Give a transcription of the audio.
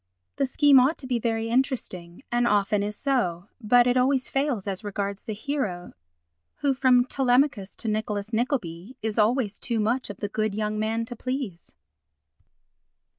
The scheme ought to be very interesting, and often is so, but it always fails as regards the hero who, from Telemachus to Nicholas Nickleby, is always too much of the good young man to please.